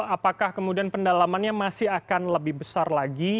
apakah kemudian pendalamannya masih akan lebih besar lagi